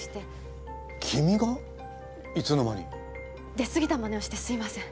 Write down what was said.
出過ぎたマネをしてすいません。